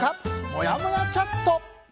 もやもやチャット。